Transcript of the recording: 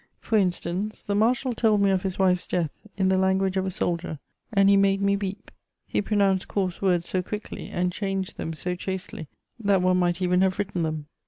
For instance, the marshal told me of his wife's death in the language of a soldier, and he made me weep: he pronounced coarse words so quickly, and changed them so chastely, that one might even have written them.